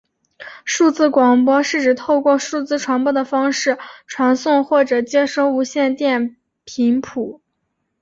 数字广播是指透过数字传播方式传送或者接收无线电频谱。